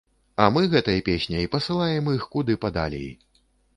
А мы гэтай песняй пасылаем іх куды падалей.